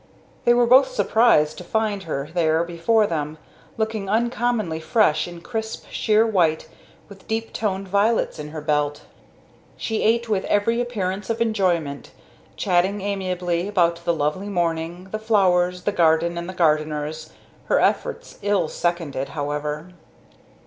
They were both surprised to find her there before them, looking uncommonly fresh in crisp, sheer white, with deep toned violets in her belt. She ate with every appearance of enjoyment, chatting amiably about the lovely morning the flowers, the garden and the gardeners; her efforts ill seconded, however.